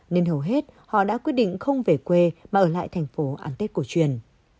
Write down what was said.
nên hầu hết họ đã quyết định không về quê mà ở lại thành phố ăn tết cổ truyền